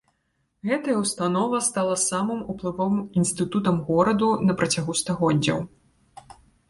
Гэтая ўстанова стала самым уплывовым інстытутам гораду на працягу стагоддзяў.